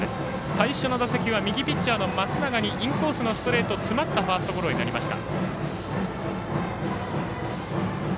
最初の打席は右ピッチャーの松永にインコースのストレート詰まったファーストゴロになりました。